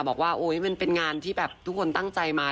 บอกว่าโอ๊ยมันเป็นงานที่แบบทุกคนตั้งใจมา